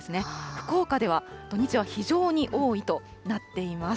福岡では土日は非常に多いとなっています。